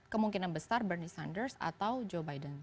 kemungkinan besar burnie sanders atau joe biden